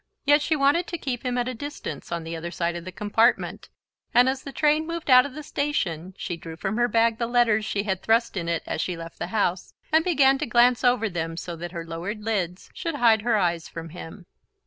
Yet she wanted to keep him at a distance, on the other side of the compartment, and as the train moved out of the station she drew from her bag the letters she had thrust in it as she left the house, and began to glance over them so that her lowered lids should hide her eyes from him.